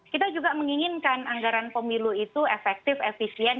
kita juga menginginkan anggaran pemilu itu efektif efisien